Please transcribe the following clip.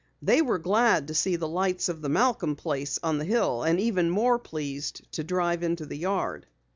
They were glad to see the lights of the Malcom place on the hill and even more pleased to drive into the yard.